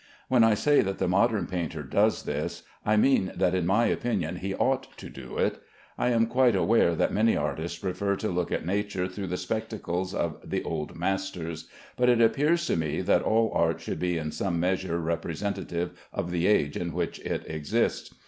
When I say that the modern painter does this, I mean that in my opinion he ought to do it. I am quite aware that many artists prefer to look at nature through the spectacles of the old masters, but it appears to me that all art should be in some measure representative of the age in which it exists.